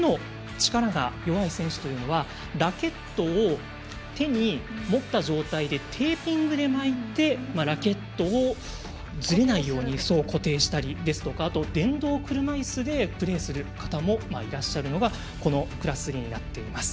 例えば握る力が弱い選手はラケットを手に持った状態でテーピングで巻いてラケットをずれないように固定したりですとか電動車いすでプレーする方もいらっしゃるのがこのクラスになっています。